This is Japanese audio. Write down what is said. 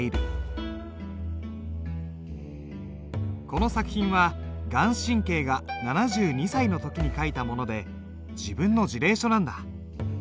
この作品は顔真が７２歳の時に書いたもので自分の辞令書なんだ。